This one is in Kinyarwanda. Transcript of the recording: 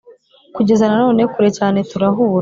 kugeza na none, kure cyane, turahura.